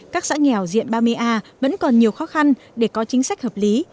các xã nghèo diện ba mươi a vẫn còn nhiều khó khăn để có chính sách hợp lý